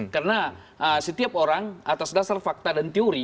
karena setiap orang atas dasar fakta dan teori